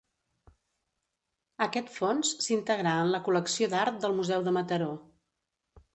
Aquest fons s'integrà en la col·lecció d'art del Museu de Mataró.